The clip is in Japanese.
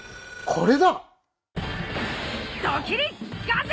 これだ！